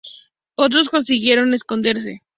Otros consiguieron esconderse.